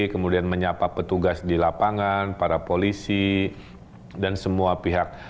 kemudian menyapa petugas di lapangan para polisi dan semua pihak